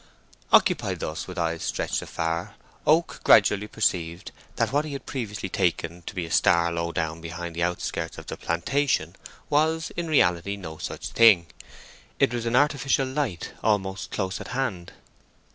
Occupied thus, with eyes stretched afar, Oak gradually perceived that what he had previously taken to be a star low down behind the outskirts of the plantation was in reality no such thing. It was an artificial light, almost close at hand.